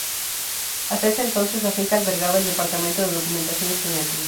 Hasta ese entonces, la finca albergaba el Departamento de Documentación Estudiantil.